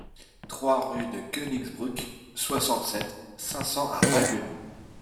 trois rue de Koenigsbruck, soixante-sept, cinq cents à Haguenau